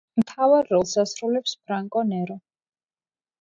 მთავარ როლს ასრულებს ფრანკო ნერო.